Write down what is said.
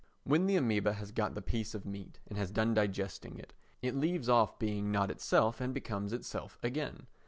When the amœba has got the piece of meat and has done digesting it, it leaves off being not itself and becomes itself again.